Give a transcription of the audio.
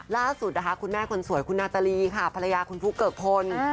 ล่าสุดนะคะคุณแม่คนสวยคุณนาตาลีค่ะภรรยาคุณฟุ๊กเกิกพล